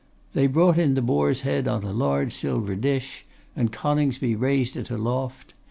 They brought in the Boar's head on a large silver dish, and Coningsby raised it aloft.